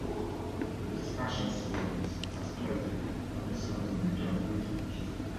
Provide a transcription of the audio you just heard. The stations buildings at Clayton are listed on the Victorian Heritage Register.